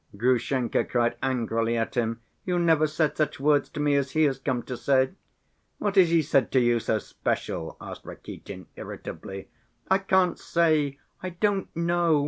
Grushenka cried angrily at him; "you never said such words to me as he has come to say." "What has he said to you so special?" asked Rakitin irritably. "I can't say, I don't know.